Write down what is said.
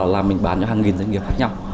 là mình bán cho hàng nghìn doanh nghiệp khác nhau